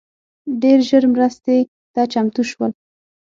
ډېر ژر مرستي ته چمتو سول